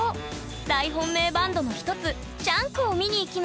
大本命バンドの一つＳＨＡＮＫを見に行きます。